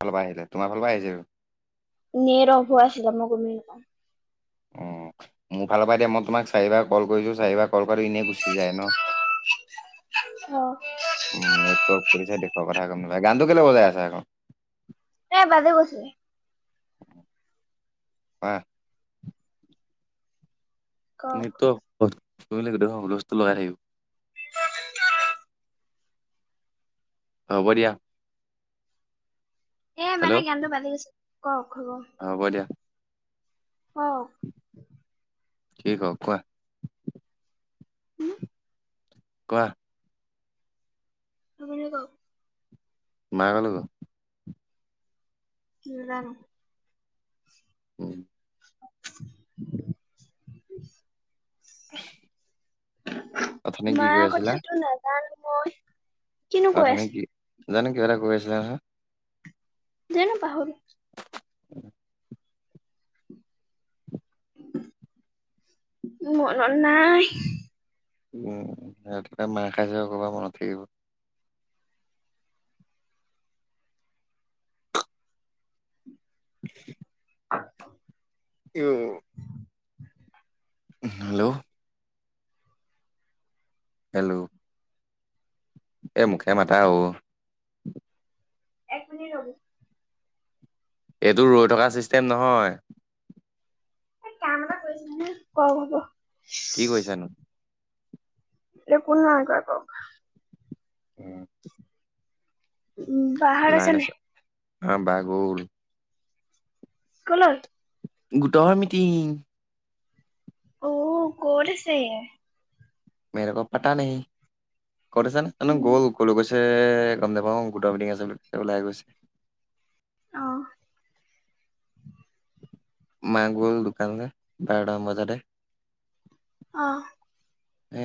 ফালৰ পৰা আহিলে তোমাৰফালৰ পৰা আহিছে আৰু। নেৰ অভু আছিলছিলে মই ঘমিলা [unintelligible] অ', মোৰ ফালৰ পৰা দিয় মই তোমাক চাৰিবাৰ ক'ল কৰিছোঁ চাৰিবাৰ ক'ল কৰো ই এনেই গুচি যায় ন। অ'। উম, নেটৱৰ্কৰ দেশৰ কথা ক'ম নাপাই গানটো কেলে বজাই আছে আকৌ। এ বাজে কৈছিলে। হয়। ন [unintelligible] কওক দেটো লগাই থাকিব [inaudible] হ'ব দিয়া। এ মানে হেল্ল' গানটো বাদে গৈছে কওক হ'ব। হ'ব দিয়া। অহ। কি হওক কোৱা। কোৱা। আপুনি কওঁক। মাকৰ লগত নেজানো। উম। [inaudible] উ [unintelligible] মায়াৰ আছিলা কথাাটো নাজানো মই। কিনো কৈ অথানে আছিলো কি জানো কিবা এটা কৈ আছিলে নহয়। জানো পাহৰিল মনত নাই। উম সেইটোে মাহ খাইছে ক'ৰবাত মনত থাকিব। [inaudible] [inaudible] [inaudible] হেল্ল'। হেল্ল'। এই মুখে মাতা অ। এক মিনিট ৰ'ব। এইটো ৰৈ থকা ছিষ্টেম নহয়। এই কাম এটা কৰিছিল ন। ক-ক-ক। কি কৈছা নো? একো নাই কোৱা আকৌ। উম। উম। লাইন আছে? [unintelligible] গ'ল কলৈ? গোটৰ মিটিং। অ ক'ত আছে? মেক পাতা নেহি। ক'ত আছে নো উম গ'ল কলৈ গৈছে এ গম নেপাওঁ গোটৰ মিটিং আছে বুলি ওলাই গৈছে। অহ। মা গ'ল দোকানলে বাৰতা মান বজাতে। অ। এ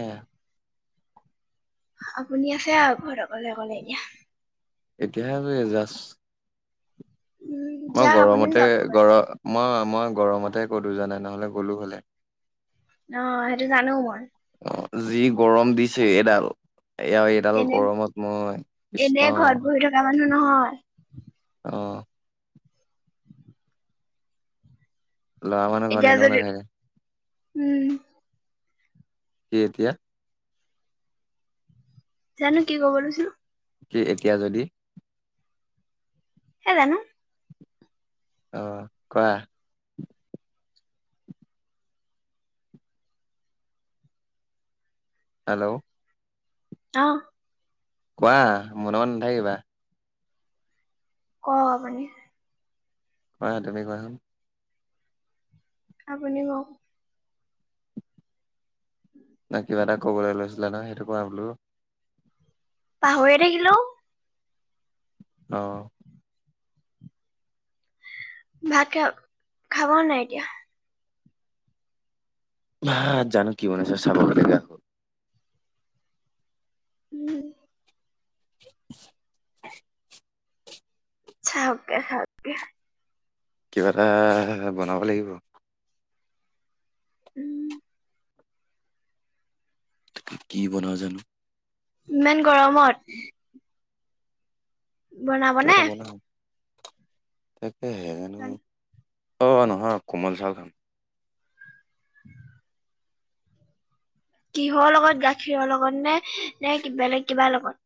আপুনি আছে আউ ঘৰত অকলে অকলে এতিয়া। এতিয়াহে আজৰি জাছ উম মই যাক আপুনিও গৰমতে যাওক ক'বালে গৰ মই মই গৰমতে কটু জানাই নহ'লে গ'লো হ'লে। অ সেইটো জানো মই। অ যি গৰম দিছে এডাল এয়া এডাল এনে গৰমত মই এনে কৃষ্ণ। [unintelligible] মানুহ নহয় অ। ল'ৰা মানুহ ঘৰ এতিয়া এনেও যদি নাথাকে। উম। কি এতিয়া জানো কি ক'ব লৈছো? কি এতিয়া যদি হে জানো অ কোৱা? হেল্ল'। অ'। কোৱা মনে মনে নাথাকিবা। ক আপুনি। কোৱা তুমি কোৱাচোন। আপুনি কওক। ন কিবা এটা ক'বলৈ লৈছিলে ন সেইটো কোৱা বোলো। পাহৰিএ থাকিলো। অ'। ভাত খাম, খাব নাই এতিয়া? ভাত জানো কি বনাইছে চাবগৈ লাগিয়া হল [inaudible] চাহকে খাওঁক। কিবা এটা বনাব লাগিব। উম কি বনাও জানো? ইমান গৰমত। কিবা বনাবনে এটা বনাম তাকেহে হেনো অঁ নহয় কোমল চাউল খাম। [inaudible] কিহৰ লগত গাখীৰ লগত নে নে বেলেগ কিবা লগত?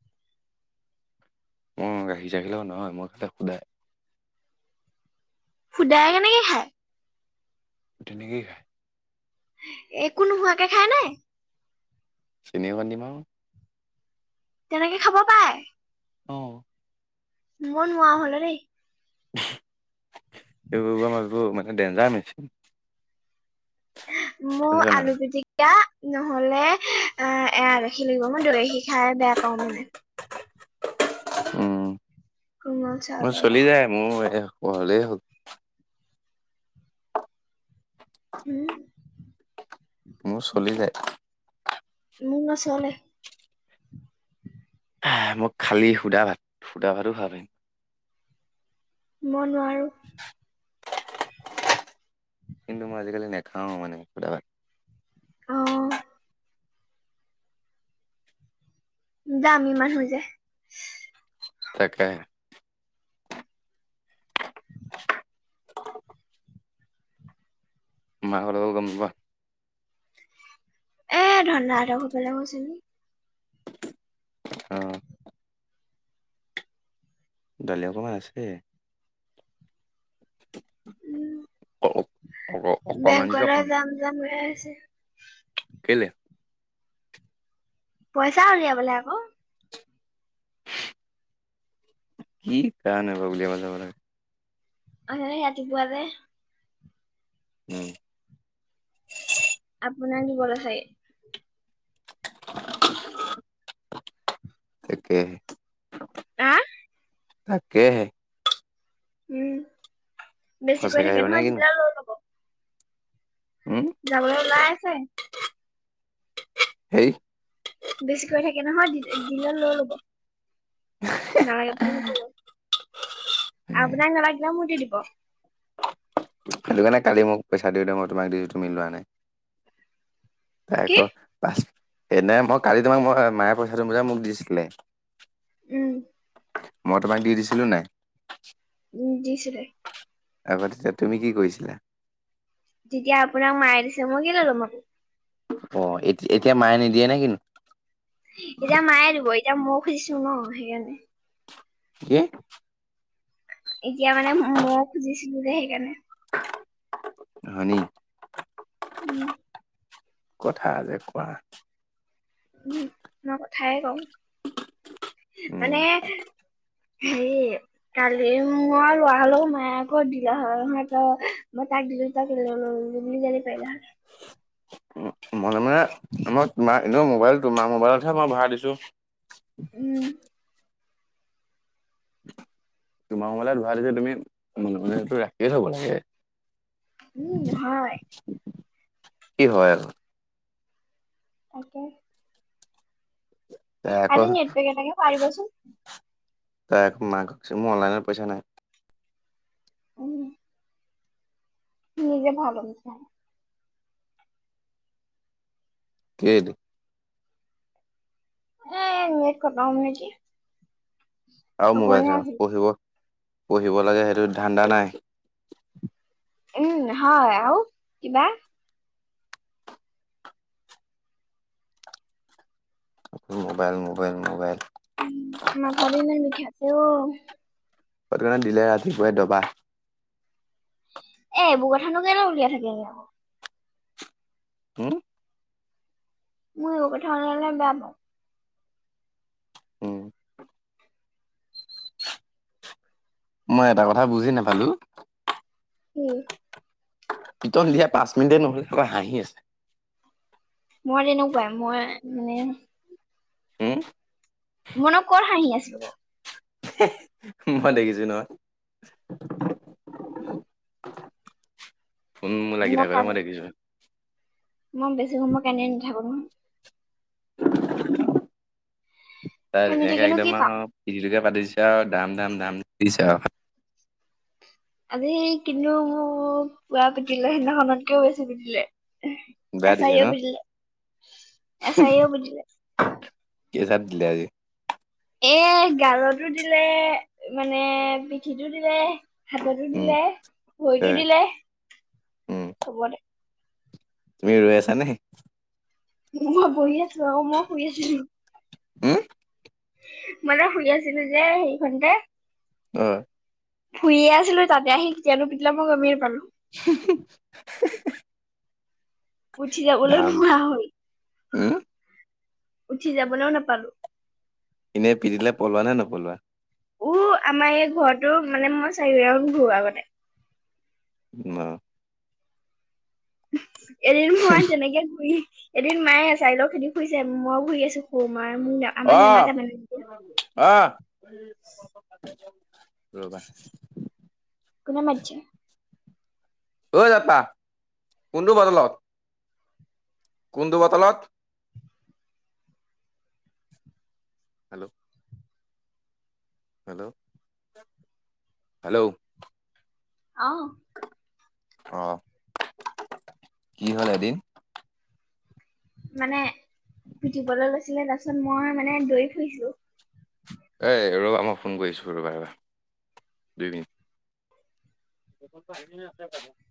অ গাখীৰ চাখীৰ লগত নহয়, মই তাক সোধাই সুদায় কেনেকে খায়? তেনেকেই খায়। একো নোহোৱাকে খাই নে। চেনি অকনমান দিম আও। তেনেকে খাব পায়। অঁ মই নোৱা হ'ল দেই। [unintelligible] ডেঞ্জা মেচিন। মো বুজিছা নাই আলু পিটিকি এয়া নহলে অ এয়া গাখীৰ লাগিব মই দৈ গাখীৰ খাই বেয়া পাওঁ মানে। উম কোমল মোৰ চাউলৰ চলি লগত যায় মোৰ হ'লে হ'ল। উ মোৰ চলি যায়। মোক নচলে। মোক খালী সুধা ভাত সুদা ভাতো খাবা পাৰিম। মই নোৱাৰো। [inaudible] কিন্তু মই আজিকালি নাখাওঁ মানে সুধা ভাত। অ দামি মানুহ যে। তাকেহে। মা কলৈ গল গম নোপোৱা। এ ধনদা হঁতৰ ঘৰফালে গৈছে নেকি। অ। দলি অকণমান আছে। উম অকমান যে বেংকলে অকণ যাম যাম গৈ আছে। কেলে? পইচা উলিয়াবলে আকৌ। কি কাৰণে বা উলিয়াব যাব লাগে? অথনি ৰাতি পোৱা যে উম। আপোনা দিবলে চাগে? [inaudible] তাকেহে। আহ তাকেহে। উম, বেছিকৈ সঁচাকে থাকে আহিব নে নহয় কিনো? তেতিয়া লৈ ল'ব। উম যাবলৈ ওলাই আছে? হেই বেছিকৈ থাকে নহয় দি দিলে লৈ ল'ব। নালাগে বুলি নক'ব, আপোনাক নালাগিলে মোক দি দিব। সেইটো কাৰণে কালি মোক পইচা দিওঁতে মই তোমাক দিওঁতে তুমি লোৱা নাই। কি? [unintelligible] এনে মই কালি তোমাক মই মায়ে পইচাটো যে মোক দিছিলে। উম। মই তোমাক দি দিছিলোঁ নাই। উম, দিছিলে। আবৌ তেতিয়া, তুমি কি কৰিছিলা? যেতিয়া আপোনাক মায়ে দিছে মই কেলে লম আ অ', এতিয়া এতিয়া মায়ে নিদিয়ে নে কিন এতিয়া মায়ে দিব এতিয়া ময়ো খুজিছো ন' সেইকাৰণে। কি? এতিয়া মানে ময়ো খুজিছিলোঁ যে সেইকাৰণে হয়নি? উম কথা যে কোৱা। উম, মই কথাই কওঁ, উম। মানে হেৰি কালি মই লোৱা হ'লেও মায়ে ক'ত দিলা হয় সিহঁতৰ মই তাক দিলো [unintelligible] জানি পাৰিলা হ'লে। উম, মান মানে আমই তোমাৰ এনে মোবাইল তোমাৰ মোবাইলতহে মই ভাৰাই দিছোঁ। উম। তোমাৰ মোবাইলত ভৰাই যে তুমি মনোৰঞ্জনটো ৰাখিয়ে থ'ব লাগে। উম, হয়। কি হয় আৰু? তাকে। তাই আকৌ আজি নেট পেক এটাকে পাৰিবচোন। ত' এক মাক কৈছো মোৰ অনলাইনত পইচা নাই। উম নিজে ভাল [unintelligible] কেইটো। এ নেট খতম নেকি? আৰু মোবাইল অকমানহে চাবা আছিল পঢ়িব, পঢ়িব লাগে সেইটো ধান্দা নাই। উম, হয় আৰু কিবা? Mobile, mobile, mobile. উম, নধৰিলে বিষাইছে অ'। ক' কাৰণে দিলে ৰাতিপুৱাই দবা। এ বোৰ কথানো কেলে উলিয়াই থাকে আৰু। হম। মই এইবোৰ কথা ওলালে বেয়া পাওঁ। উম মই এটা কথা বুজি নাপালো। কি পিটন দিয়া পাঁচ মিনিটে নহল তই হাঁহি আছিলি। মই তেনেকুৱাই মই মানে উম মইনো কত হাঁহি আছিলো। মই দেখিছো নহয়। ফোন মোৰ লাগি মই থাকোতে কান্দি দেখিছো মই বেছি সময় কান্দি নাথাকো নহয়। তাই কান্দি ধুনীয়াকে থাকিনো একদম কি আহ পাম পিতিটোকে পাতি দিছে আৰু দাম দাম দাম দিছে আৰু আজি কিন্তু মোৰ পোৰা পিটিলে সেইদিনাখনতকেও বেছি পিটিলে। বেয়া দিছে এছাৰিও ন পিটিলে এছাৰিও পিটিলে কেইছাথ দিলে আজি। এ গালতো দিলে মানে পিঠিটো দিলে। হাততো উম দিলে ভৰিতো হয় দিলে উম চবতে। তুমি ৰৈ আছা নে। মই বহি আছো আও মই শুই আছিলোঁ। হম। মানে শুই আছিলো যে সেখনতে। অ'। শুহয়ে আছিলো তাতে আহি কেতিয়া আহি পিটিলে মই গমেই না পালো। [unintelligible] উঠি যাবলৈ ধাম নোহোৱা হল উম উঠি যাবলৈও নাপালো। এনেই পিটিলে পলোৱা নে নপলোৱা। উ আমাৰ এই ঘৰতো মানে মই চাৰিওৰাউণ্ড ঘূৰো আগতে। অ [inaudible] এদিন মই তেনেকে ঘূৰি এদিন মায়ে এছাৰি লৈ ঘূৰি ফুৰিছে মইও ঘুৰি আছো মোৰ [inaudible] আহ আহ ৰবা। কোনে মাতিছে ঐ যা কোনটো বটলত। কোনটো বটলত। হেল্ল'। হেল্ল'। হেল্ল'। অ'। অ কি হ'ল এদিন মানে পিটিবলৈ লৈছিলে তাৰ পিছত মই মানে দৌৰি ফুৰিছিলো। এ ৰবা মই ফোন কৰিছো ৰবা ৰবা দুই মিনিট। [unintelligible]